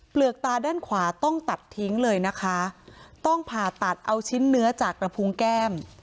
กตาด้านขวาต้องตัดทิ้งเลยนะคะต้องผ่าตัดเอาชิ้นเนื้อจากกระพุงแก้ม